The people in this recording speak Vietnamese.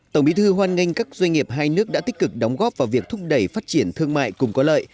tổng bí thư hoan nghênh các doanh nghiệp hai nước đã tích cực đóng góp vào việc thúc đẩy phát triển thương mại cùng có lợi